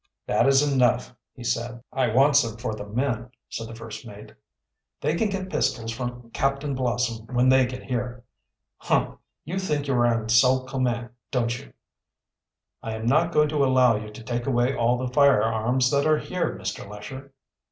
"That is enough," he said. "I want some for the men," said the first mate. "They can get pistols from Captain Blossom when they get here." "Humph! You think you are in sole command, don't you?" "I am not going to allow you to take away all the firearms that are here, Mr. Lesher."